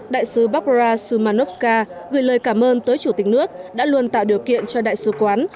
đại sứ barbara szymanowska gửi lời cảm ơn tới chủ tịch nước đã luôn tạo điều kiện cho đại sứ quán